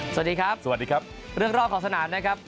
สวัสดีครับสวัสดีครับเรื่องรอบของสนามนะครับ